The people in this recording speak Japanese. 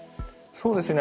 そうですね